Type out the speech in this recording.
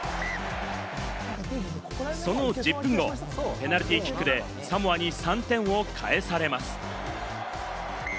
その１０分後、ペナルティーキックでサモアに３点を返されます。